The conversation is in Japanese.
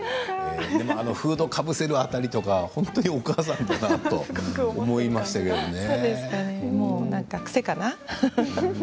フードかぶせるあたりとか本当にお母さんだなと思いましたけどね。